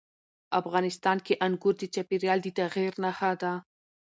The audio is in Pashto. افغانستان کې انګور د چاپېریال د تغیر نښه ده.